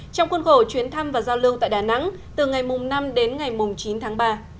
trong khuôn khổ chuyến thăm và giao lưu tại đà nẵng từ ngày năm đến ngày chín tháng ba